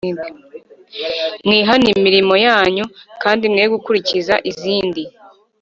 Mwihane imirimo yanyu kandi mwe gukurikira izindi